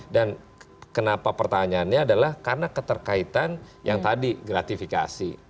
dan kenapa pertanyaannya adalah karena keterkaitan yang tadi gratifikasi